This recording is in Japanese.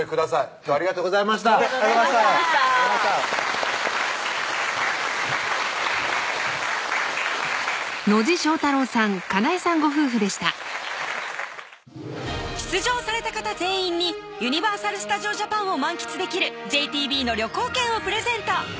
今日はありがとうございましたありがとうございました出場された方全員にユニバーサル・スタジオ・ジャパンを満喫できるＪＴＢの旅行券をプレゼント